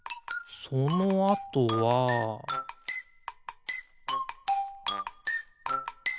そのあとはピッ！